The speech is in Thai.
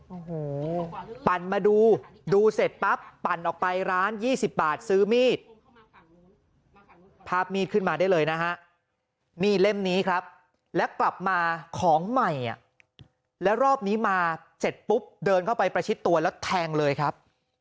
โอ้โหปั่นมาดูดูเสร็จปั๊บปั่นออกไปร้าน๒๐บาทซื้อมีดภาพมีดขึ้นมาได้เลยนะฮะมีดเล่มนี้ครับแล้วกลับมาของใหม่อ่ะแล้วรอบนี้มาเสร็จปุ๊บเดินเข้าไปประชิดตัวแล้วแทงเลยครับ